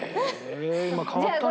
今変わったね。